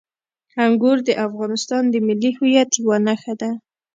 انګور د افغانستان د ملي هویت یوه نښه ده.